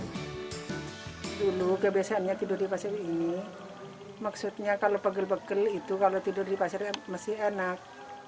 dulu kebiasaannya tidur di pasir ini maksudnya kalau pegel pegel itu kalau tidur di pasir masih enak